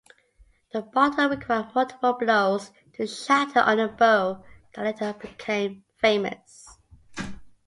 The bottle required multiple blows to shatter on a bow that later became famous.